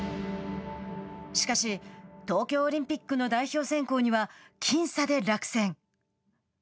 しかし、東京オリンピックの代表選考には僅差で落選。